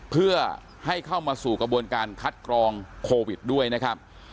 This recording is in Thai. เพื่อให้เข้ามาสู่กระบวนการคัดกรองโควิดด้วยนะครับ